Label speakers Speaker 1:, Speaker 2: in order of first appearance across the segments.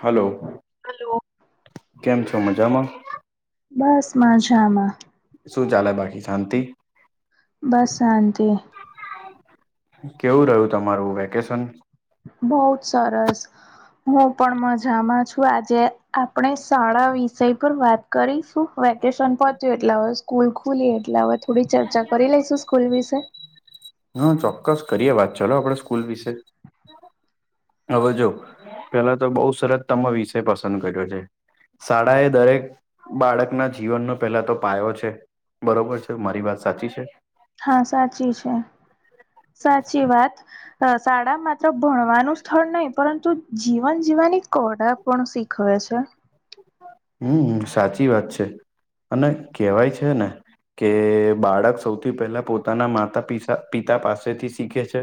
Speaker 1: Hello
Speaker 2: hello.
Speaker 1: કેમ છો મજામાં?
Speaker 2: બસ મજામાં.
Speaker 1: શું ચાલેય બાકી શાંતિ?
Speaker 2: બસ શાંતિ.
Speaker 1: કેવું રેઊં વેકેશન?
Speaker 2: બહોત સારસ. હું પણ મજામાં છું આજે આપણે શાળા વિષય પર વાત કરીશું વેકેશન. [unintelligible] કૂલ ખુલી એટલે હવે થોડી ચર્ચા કરી લઈશું સ્કૂલ વિશે.
Speaker 1: હા ચોક્કસ કરીએ વાત ચાલો આપડે સ્કૂલ વિશે. હવે જો પેલા તો બઉ સરત તમે વિષય પસંદ કર્યો છે. શાળા એ દરેક બાળકના જીવનનો પહેલા તો પાયો છે. બરોબર છે મારી વાત સાચી છે?
Speaker 2: હા સાચી છે સાચી વાત શાડામાં ભણવાનું જ સ્થળ નહી પરંતુ જીવન જીવવાની કડા પણ શીખવે છે.
Speaker 1: હમ્મ સાચી વાત છે અને કેવાય છે ને કે બાળક સૌથી પહેલા પોતાના માતા પિસા પિતા પાસેથી શીખે છે.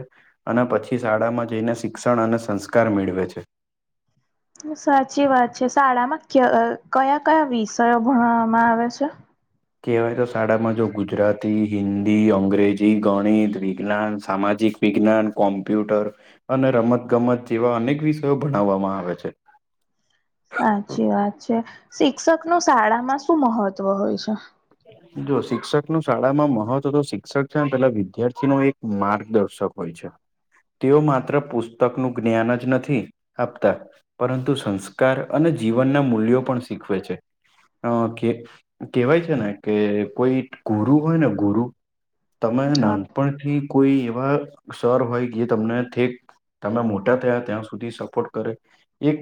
Speaker 1: અને પછી શાળામાં જઈને શિક્ષણ અને સંસ્કાર મેળવે છે.
Speaker 2: સાચી વાત છે. શાળામાં ક અ કયા કયા વિષયો ભણવામાં આવે છે.
Speaker 1: કહેવાય તો શાળામાં જો ગુજરાતી, હિન્દી, અંગ્રેજી, ગણિત, વિજ્ઞાન, સામાજિક વિજ્ઞાન કોમ્પ્યુટર અને રમત ગમત જેવા અનેક વિષયો ભણાવવામાં આવે છે.
Speaker 2: સાચી વાત છે શિક્ષક નું શાળામાં શું મહત્વ હોય છે.
Speaker 1: [inaudible] જો શિક્ષક નું શાળામાં મહત્વ તો શિક્ષક છે ને પેલા વિદ્યાર્થી નો એક માર્ગદર્શક હોય છે. તેઓ માત્ર પુસ્તકનું જ્ઞાન જ નથી આપતા. પરંતુ સંસ્કાર અને જીવનના મૂલ્યો પણ શીખવે છે. અ કે કેવાય છે ને કે કોઈ ગુરુ હોય ને ગુરુ. તમે
Speaker 2: હા
Speaker 1: નાનપણથી કોઈ એવા સર હોય જે તમને ઠેક તમે મોટા થયા ત્યાં સુધી સપોર્ટ કરે. એક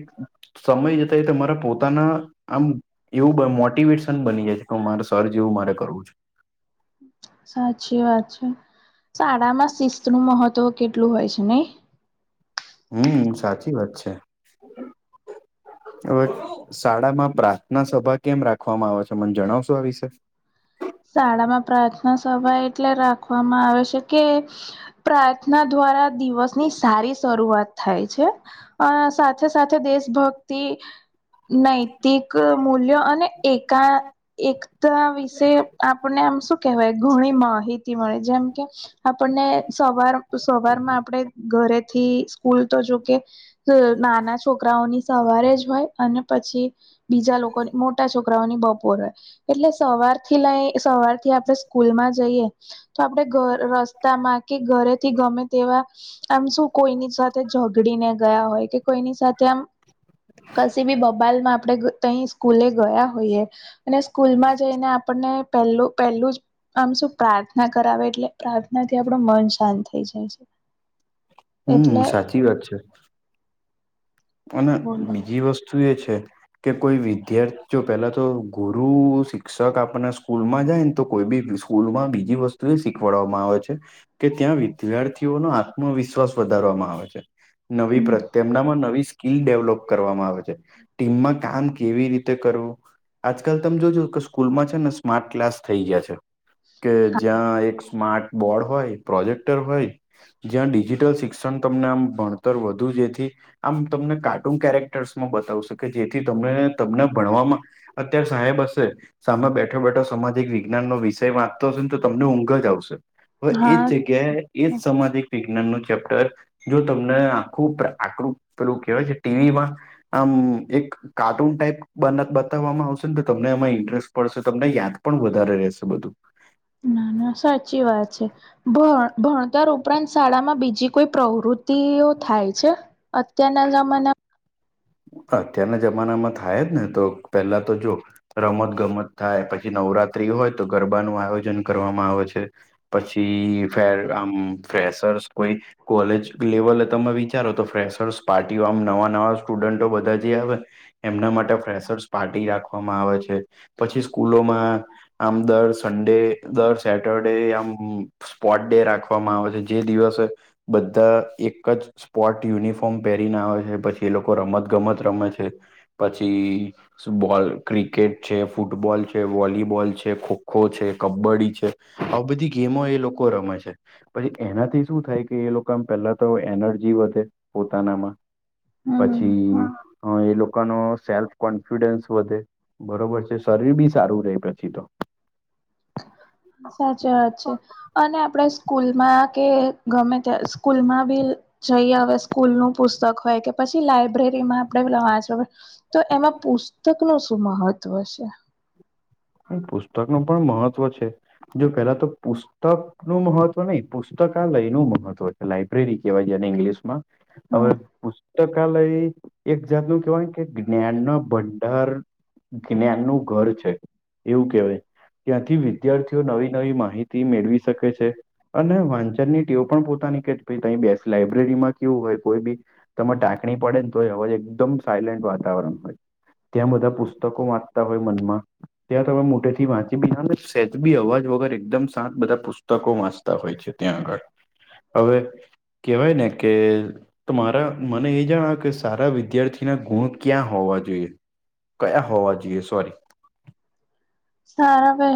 Speaker 1: સમય જતા એ તમારા પોતાના આમ એવું મોટિવેશન બની જાય છે મારે સર જેવું મારે કરવું છે.
Speaker 2: સાચી વાત છે શાળામાં શિસ્ત નું મહત્વ કેટલું હોય છે નઈ.
Speaker 1: હમ્મ સાચી વાત છે. હવે શાળામાં પ્રાર્થના સભા કેમ રાખવામાં આવે છે મને જણાવશો આ વિશે.
Speaker 2: શાળામાં પ્રાર્થના સભા એટલે રાખવામાં આવે છે કે પ્રાર્થના દ્વારા દિવસની સારી શરૂઆત થાય છે. અ સાથે સાથે દેશભક્તિ નૈતિક મૂલ્યો અને એકા એકતા વિશે આપણને આમ શું કેહેવાય ઘણી માહિતી મળે જેમ કે આપણને સવાર સવાર માં આપણે ઘરેથી સ્કૂલ તો જોકે નાના છોકરાઓની સવારે જ હોય અને પછી બીજા લોકો મોટા છોકરાઓની બપોર હોય, એટલે સવાર થી લઈ સવારથી આપણે સ્કૂલમાં જઈએ. તો આપણે ઘર રસ્તામાં કે, ઘરેથી ગમે તેવા આમ શું કોઈની સાથે ઝગડીને ગયા હોય કે, કોઈની સાથે આમ. કશી બી બબાલ માં આપડે. તય સ્કૂલે ગયા હોઈય, અને સ્કૂલ માં જઈને આપણને પહેલું પહેલું જ. આમ શું પ્રાર્થના કરાવે, એટલે પ્રાર્થના થી આપણું મન શાંત થઈ જાય છે.
Speaker 1: હમ,
Speaker 2: એટલે
Speaker 1: સાચી વાત છે. અને બીજી વસ્તુ એ છે. કે કોઈ વિદ્યાર્થી જો પેલા તો ગુરુ શિક્ષક આપણા સ્કૂલ માં જાય ને, તો કોઈ બી સ્કૂલમાં બીજી વસ્તુ એ શીખવાડવામાં આવે છે. કે ત્યાં વિદ્યાર્થીઓ નો આત્મવિશ્વાસ વધારવામાં આવે છે. નવી પ્રત તેમનામાં નવી સ્કિલ ડેવલોપ કરવામાં આવે છે, ટીમમાં કામ કેવી રીતે કરવું. આજકાલ તમે જોજો ક સ્કૂલમાં છે ને, સ્માર્ટ ક્લાસ થઈ ગયા છે. કે જ્યાં એક સ્માર્ટ બોર્ડ હોય, પ્રોજેક્ટર હોય‌. જ્યાં ડિજિટલ શિક્ષણ તમને આમ ભણતર વધુ જેથી આમ તમને કાર્ટૂન કેરેક્ટર્સમાં બતાવ શકે, જેથી તમને તમને ભણવામાં અત્યારે સાહેબ હશે. સામે બેઠો-બેઠો સમાજિક વિજ્ઞાનનો વિષય વાંચતો હશે ને, તો તમને ઊંઘ જ આવશે. હવે એ
Speaker 2: હા
Speaker 1: જ જગ્યાએ એ જ સમાજ એક વિજ્ઞાન નું ચેપ્ટર, જો તમને આખું આકૃત પેલું કેવાય છે, ટીવી માં આમ એક કાર્ટૂન ટાઈપ બતાવવામાં આવશે ને, તો તમને એમાં ઇન્ટરેસ્ટ પડશે તમને યાદ પણ વધારે રહેશે બધું.
Speaker 2: ના, ના, સાચી વાત છે, ભ ભણતર ઉપરાંત શાળામાં બીજી કોઈ પ્રવૃતિ થાય છે, અત્યારના જમાના
Speaker 1: અત્યારના જમાનામાં થાય જ ને, તો પેલા તો જો રમત-ગમત થાય, પછી નવરાત્રી હોય તો ગરબાનું આયોજન કરવામાં આવે છે. પછી ફેર આમ ફસર્સ કોઈ કોલેજ લેવલે તમે વિચારો પાર્ટીઓ આમ નવા-નવા સ્ટુડન્ટો બધા જ આવે. એમના માટે ફેશર્સ પાર્ટી રાખવામાં આવે છે, પછી સ્કૂલોમાં સંડે દર સેટરડે આમ સ્પોટ ડે રાખવામાં આવે છે, જે દિવસે બધા એક જ સ્પોર્ટ યુનિફોર્મ પહેરી ના આવેય છે, પછી એ લોકો રમત-ગમત રમે છે, પછી બોલ ક્રિકેટ ફૂટબોલ છે, વોલીબોલ છે, ખોખો છે, કબડ્ડી આ બધી ગેમો એ લોકો રમે છે. પછી એનાથી શું થાય કે, એ લોકોમ પેલા તો એનર્જી વધે પોતાનામાં
Speaker 2: હમ
Speaker 1: પછી એ લોકોનો સેલ્ફ કોન્ફિડન્સ વધે. બરોબર છે, શરીર બી સારું રહે પછી તો [unintelligible]
Speaker 2: સાચી વાત છે, અને આપણે સ્કૂલમાં કે ગમે ત સ્કૂલમાં બી જઈએ, હવે સ્કૂલ નું પુસ્તક હોય કે, પછી લાઈબ્રેરીમાં આપણેે લવાચ તો એમાં પુસ્તક ન શું મહત્વ છે
Speaker 1: પુસ્તક નું પણ મહત્વ છે. જો પેલા તો પુસ્તક નું મહત્વ નહી પુસ્તકાલય નું મહત્વ લાઈબ્રેરી કહેવાય જેને ઇંગ્લિશ માં હવે
Speaker 2: હા
Speaker 1: પુસ્તકાલય એક જાતનું કેહેવાય કે જ્ઞાનનો ભંડાર જ્ઞાનનું ઘર છે. એવું કહેવાય ત્યાંથી વિદ્યાર્થીઓ નવી નવી માહિતી મેળવી શકે છે. અને વાંચનની ટેવ પણ પોતાની કે ત બેસ લાઈબ્રેરીમાં કેવું હોય કોઈ બી તમે ટાંકણી પડે ને તો અવાજ એકદમ સાયલેન્ટ વાતાવરણ હોય. ત્યાં બધા પુસ્તકો વાંચતા હોય મનમાં ત્યાં તમે મોટે થી વાંચી બી હ સેઝ બી અવાજ વગર એકદમ શાંત બધા પુસ્ત તકો વાંચતા હોય છે ત્યાં આગળ હવે કેહેવાય ને કે તો મારા મને એ જાણાવ કે સારા વિદ્યાર્થીના ગુણ ક્યાં હોવા જોઈએ. કયા હોવા જોઈએ સોરી.
Speaker 2: સારા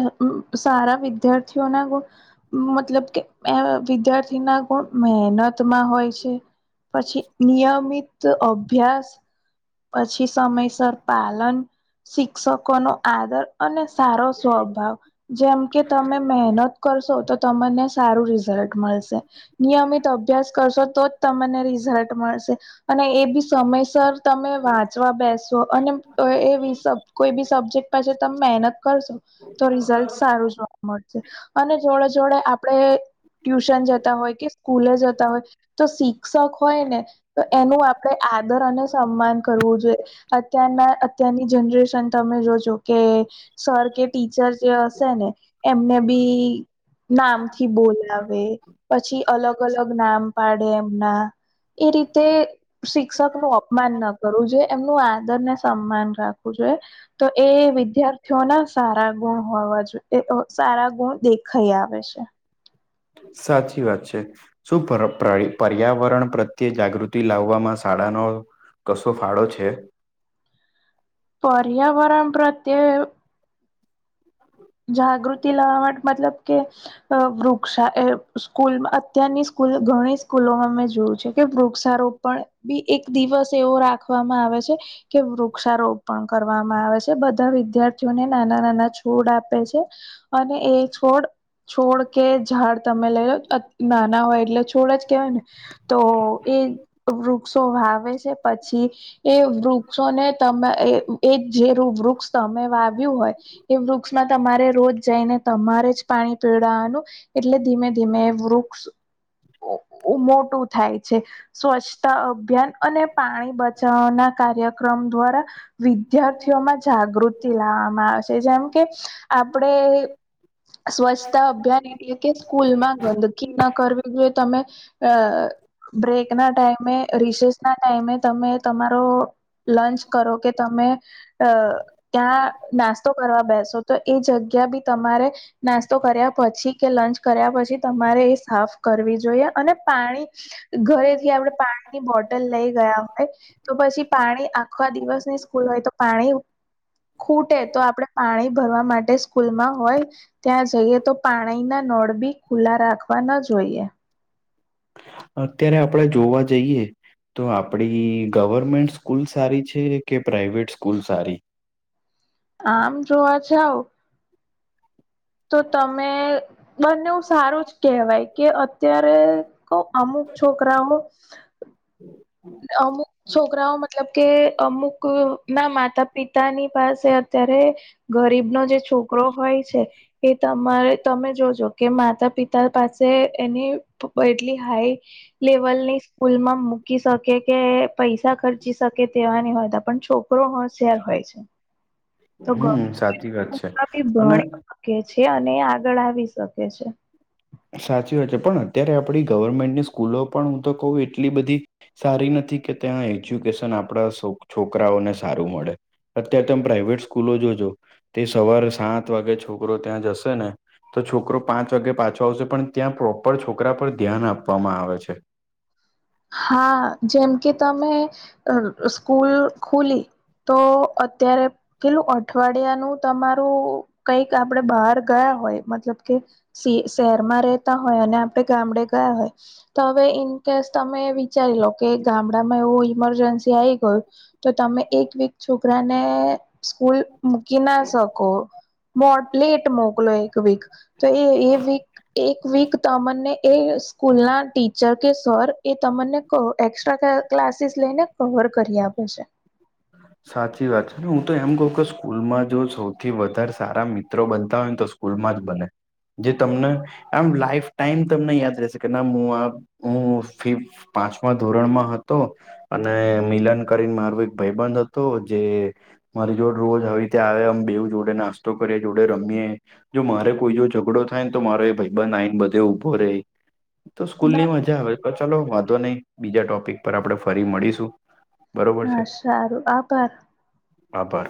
Speaker 2: સારા વિદ્યાર્થીઓના ગુણ મતલબ કે એ વિદ્યાર્થી ના ગુણ મહેનતમાં હોય છે. પછી નિયમિત અભ્યાસ પછી સમયસર પાલન શિક્ષકો નો આદર અને સારો સ્વભાવ જેમ કે તમે મહેનત કરશો તો તમને સારું રિઝલ્ટ મળશે. નિયમિત અભ્યાસ કરશો તો જ તમને રિઝલ્ટ મળશે અને એ બી સમયસર તમે વાંચવા બેસ તો અને એવી કોઈ બી સબ્જેક્ટ પાછળ તમે મહેનત કરશો. તો રિઝલ્ટ સારું જોવા મળશે અને જોડે જોડે આપડે ટ્યુશન જતા હોય કે સ્કૂલે જતા હોય. તો શિક્ષક હોય ને તો એનું આપણેે આદર અને સ સમ્માન કરવું જોઈએ. અત્યારના અત્યારની જનરેશન તમે જોજો કે સર કે ટીચર જે હશે ને એમને બી નામથી બોલાવે પછી અલગ અલગ નામ પાડે એમના એ રીતે શિક્ષક નું અ અપમાન ન કરવું જોઈએ. એમનું આદરને સન્માન રાખવું જોઈએ. તો એ વિદ્યાર્થીઓ ના સારા ગુણ હોવા જોઈએ. એ તો સારા ગુણ દેખાઈ આવે છે.
Speaker 1: સાચી વાત છે. શું પર્યાવરણ પ્રત્યે જાગૃતિ લાવવામાં શાળાનો કશો ફાળો છે.
Speaker 2: પર્યાવરણ પ્રત્યે જાગૃતિ લાવા મતલબ કે અ વૃક્ષા એ સ્કૂલ અત્યારની સ્કૂલ ઘણી સ્કૂલોમાં મેં જોયું છે, કે વૃક્ષારોપ પણ બી એક દિવસ એવો રાખવામાં આવે છે. કે વૃક્ષારોપ પણ કરવામાં આવે છે. બધા વિદ્યાર્થીઓને નાના નાના છોડ આપ આપે છે. અને એ છોડ છોડ કે ઝાડ તમે લઈ લો, નાના હોય એટલે છોડ જ કેહેવાય ને તો એ વૃક્ષો વાવે છે પછી એ વૃક્ષોને તમે એ જે વૃક્ષ તમે વાવ્યું હોય એ વૃક્ષમાં તમારે રોજ જઈને તમારે જ પાણી પીડવાનું એટલે ધીમે-ધીમે એ વૃક્ષ મોટું થાય છે. સ્વચ્છતા અભિયાન અને પાણી બચવાના કાર્યક્રમ દ્વારા વિદ્યાર્થીઓમાં જાગૃતિ લાવવામાં આવશે, જેમ કે આપણે સ્વચ્છતા અભિયાન એટલે કે સ્કૂલ માં ગંદકી ના કરવી જોઈએ તમે. અ બ્રેક ના ટાઈમે, રિસેસ ના ટાઈમે તમે તમારો. તો લંચ કરો કે, તમે અ ક્યાં નાસ્તો કરવા બેસો. તો એ જગ્યા બી તમારે નાસ્તો કર્યા પછી કે, લંચ કર્યા, પછી તમારે એ સાફ કરવી જોઈએ, અને પાણી ઘરેથી આપડે પાણી ની બોટલ લઈ ગયા હોય તો, પછી પાણી આખો દિવસ ની સ્કૂલ હોય તો પાણી ખૂટે તો આપડે પાણી ભરવા માટે સ્કૂલમાં હોય. ત્યાં જઈએ તો, પાણી ના નળ બી ખુલ્લા રાખવા ન જોઈએ.
Speaker 1: અત્યારે આપડે જોવા જઈએ. તો આપડી ગવર્મેન્ટ સ્કૂલ સારી છે? કે પ્રાઈવેટ સ્કૂલ સારી?
Speaker 2: આમ જોવા જાવ. તો તમે બંને ઓ સારું જ કહેવાય કે. ત્યારે અમુક છોકરાઓ
Speaker 1: હમ.
Speaker 2: અમુક છોકરાઓ મતલબ કે, અમુક ના માતા-પિતા. પિતાની પાસે અત્યારે ગરીબનો જે છોકરો હોય છે. એ તમારે તમે જોજો કે માતા-પિતા પાસે એની એટલી હાઈ. લેવલ ની સ્કૂલ માં મૂકીશ. કે કે પૈસા ખર્ચી શકે, તેવાની હોયતા, પણ છોકરો હોશિયાર હોય છે.
Speaker 1: હમ સાચી વાત
Speaker 2: ભણી.
Speaker 1: છે. અને
Speaker 2: [unintelligible] કે છે, અને આગળ આવી શકે છે.
Speaker 1: સાચી વાત છે, પણ અત્યારે આપડી ગવર્મેન્ટની સ્કૂલો પણ હું તો કહું એટલી બધી સારી નથી કે, ત્યાં એજ્યુકેશન આપડા છોકરાઓને સારું મળે. અત્યારે તમે પ્રાઈવેટ સ્કૂલો જોજો. તે સવારે સાત વાગે છોકરો ત્યાં જશે ને, તો છોકરો પાંચ વાગે પાછ પણ ત્યાં પ્રોપર છોકરા પર ધ્યાન આપવામાં આવે છે.
Speaker 2: હા, જેમ કે તમે સ્કૂલ ખુલી. તો અત્યારે પેલું અઠવાડિયાનું તમારું કઈક આપડે બહાર ગયા હોય, મતલબ કે શહેરમાં રહેતા હોય, અને આપણે ગામડે ગયા હોય તો, હવે ઇન કેસ તમે વિચારી લો કે, ગામડામાં એવું ઈમરજન્સી આવી ગયું. તો એક વીક છોકરાને મૂકી ના શકો. મો પલેટ મોકલોયો એક વીક તો એ વીક, એક વીક તમને એ સ્કૂલ ના ટીચર કે સર એ તમને ક્લાસીસ લઈને કવર આપે છે.
Speaker 1: સાચી વાત છે ને, હું તો એમ કહ કે, સ્કૂલમાં જો સૌથી વધારે સારા મિત્રો બનતા હોય ને તો. સ્કૂલમાં બને, જે તમને આમ લાઈફ ટાઈમ તમને યાદ કે હું આ હું ફી પાંચમા ધોરણમાં હતો. અને મિલન કરીને, મારો એક ભાઈબંધ હતો જે મારી જોડ રોજ હવે ત્યાં આવે, અમ બેવ જોડે નાસ્તો કરીએ, જોડે રમીએ. જો મારે કોઈ જો ઝઘડો થાય ને, તો મારો એ ભાઈબંધ આઈને, બધે ઊભો રહે. તો સ્કૂલ
Speaker 2: ના,
Speaker 1: ની મજા આવે પર ચલો વાંધો નહી બીજા ટોપિક પર આપણેે ફરી મળીશું. બરોબર છે.
Speaker 2: હા સારું આભાર.
Speaker 1: આભાર